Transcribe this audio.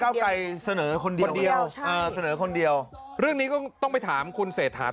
หลายฝ่ายก็จับจ้องว่าอาจจะเป็นตัวสอดแทรกมารับตำแหน่งนายก